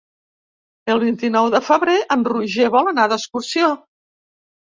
El vint-i-nou de febrer en Roger vol anar d'excursió.